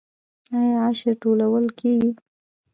آیا عشر ټولول کیږي؟